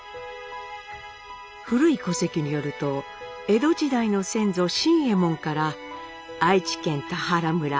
古い戸籍によると江戸時代の先祖新右ェ門から愛知県田原村